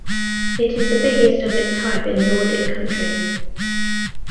It is the biggest of its type in Nordic Countries.